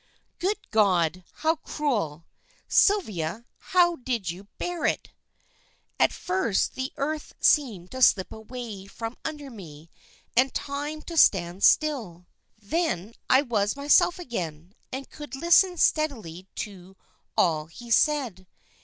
'" "Good God, how cruel! Sylvia, how did you bear it?" "At first the earth seemed to slip away from under me, and time to stand still. Then I was myself again, and could listen steadily to all he said.